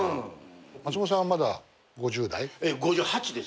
松本さんはまだ５０代？